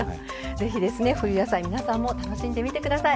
ぜひですね冬野菜皆さんも楽しんでみて下さい。